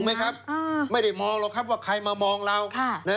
ไหมครับไม่ได้มองหรอกครับว่าใครมามองเรา